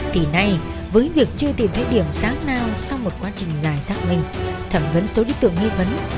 thì nay với việc chưa tìm thấy điểm sáng nào sau một quá trình dài xác minh thẩm vấn số đối tượng nghi vấn